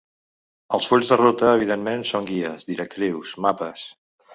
Els fulls de ruta evidentment són guies, directrius, mapes.